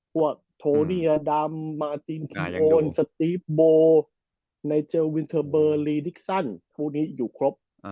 พวกโทเนียดำมาตินคีโอนสตีฟโบในเจลวินเทอร์เบอร์ลีดิกซันพวกนี้อยู่ครบ